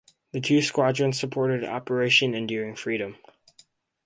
The two squadrons supported Operation Enduring Freedom.